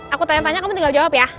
aku tanya tanya kamu tinggal jawab ya